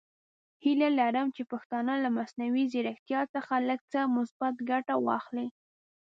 هیله لرم چې پښتانه له مصنوعي زیرکتیا څخه لږ څه مثبته ګټه واخلي.